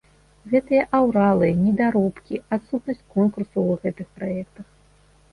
Гэтыя аўралы, недаробкі, адсутнасць конкурсаў у гэтых праектах.